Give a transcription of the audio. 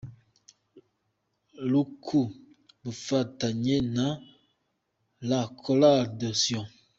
L ku bufatanye na La Chorale de Sion.